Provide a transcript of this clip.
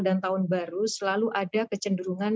dan tahun baru selalu ada kecenderungan